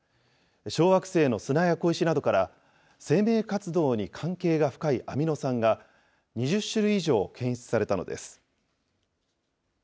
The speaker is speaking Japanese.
小惑星の砂や小石などから、生命活動に関係が深いアミノ酸が、２０種類以上検出されたのです。